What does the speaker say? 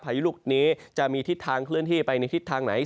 ยุลูกนี้จะมีทิศทางเคลื่อนที่ไปในทิศทางไหน